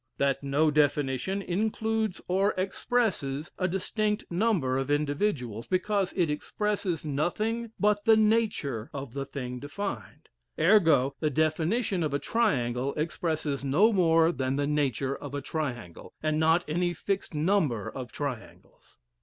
That no definition includes or expresses a distinct number of individuals, because it expresses nothing but the nature of the thing defined; ergo, the definition of a triangle expresses no more than the nature of a triangle, and not any fixed number of triangles.